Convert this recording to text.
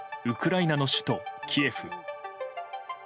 ウクライナの首都キエフ。